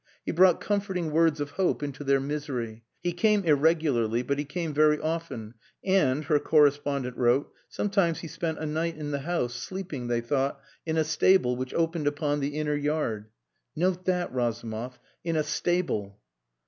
He brought comforting words of hope into their misery. He came irregularly, but he came very often, and her correspondent wrote sometimes he spent a night in the house, sleeping, they thought, in a stable which opened upon the inner yard. "Note that, Razumov! In a stable."